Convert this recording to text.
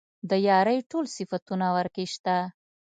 د يارۍ ټول صفتونه ورکې شته.